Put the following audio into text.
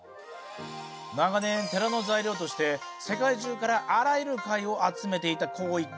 長年寺の材料として世界中からあらゆる貝を集めていた黄一家。